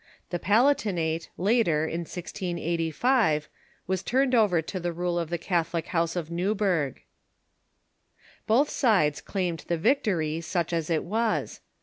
The Palatinate, later, in 1G85, was turned over to the rule of the Catholic house of Neuburg. Both sides claimed the victory, such as it was.